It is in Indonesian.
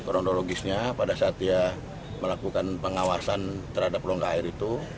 kronologisnya pada saat dia melakukan pengawasan terhadap rongga air itu